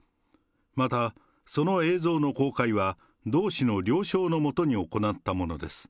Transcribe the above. また、その映像の公開は同氏の了承のもとに行ったものです。